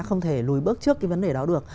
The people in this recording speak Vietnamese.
không thể lùi bước trước cái vấn đề đó được